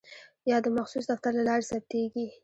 یا د مخصوص دفتر له لارې ثبتیږي.